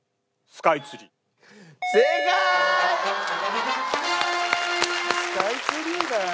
スカイツリーかよ。